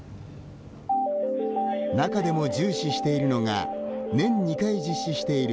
中でも重視しているのが年２回実施している